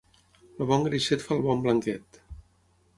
El bon greixet fa el bon blanquet.